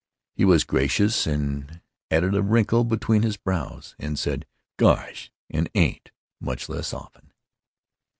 He was gracious and added a wrinkle between his brows, and said "Gosh!" and "ain't" much less often.